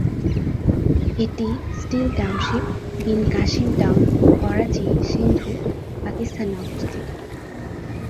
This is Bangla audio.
এটি steel township, Bin Qasim town, Karachi, Sindh, পাকিস্তানে অবস্থিত।